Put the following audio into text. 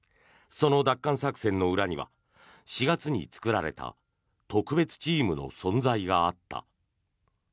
その奪還作戦の裏には４月に作られた特別チームの存在があった。